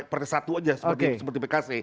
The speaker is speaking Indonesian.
partai satu aja seperti pkc